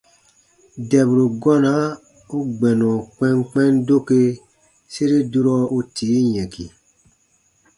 Dɛburu gɔna u gbɛnɔ kpɛnkpɛn doke sere durɔ u tii yɛ̃ki.